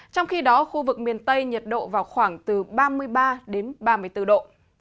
trong khi đó khu vực miền tây nhiệt độ vào khoảng từ ba mươi ba đến ba mươi bốn độ